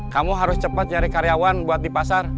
kamu harus cepat nyari karyawan buat di pasar